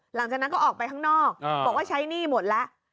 หลังจากนั้นก็ออกไปข้างนอกบอกว่าใช้หนี้หมดแล้ว